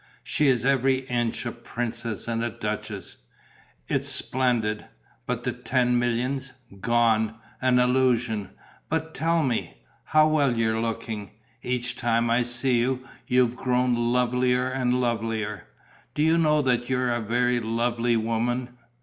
She is every inch a princess and duchess. It's splendid. But the ten millions: gone, an illusion!... But tell me: how well you're looking! Each time I see you, you've grown lovelier and lovelier. Do you know that you're a very lovely woman?